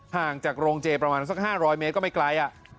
ห่างจากโรงเจประมาณสัก๕๐๐เมตรก็ไม่ไกล